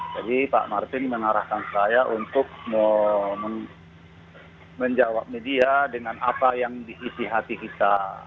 jadi pak martin mengarahkan saya untuk menjawab media dengan apa yang diisi hati kita